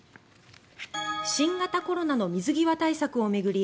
新型コロナの水際対策を巡り